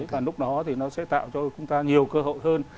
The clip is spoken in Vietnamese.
và lúc đó thì nó sẽ tạo cho chúng ta nhiều cơ hội hơn